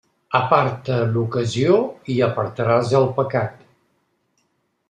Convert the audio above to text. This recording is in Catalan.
Aparta l'ocasió i apartaràs el pecat.